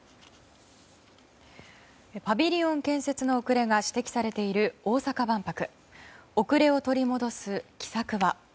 パビリオン建設の遅れが指摘されている大阪万博。